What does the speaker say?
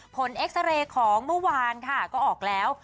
เอ็กซาเรย์ของเมื่อวานค่ะก็ออกแล้ว